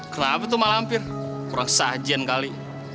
kenapa tuh malah hampir kurang sajian kali